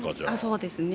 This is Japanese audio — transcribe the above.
そうですね。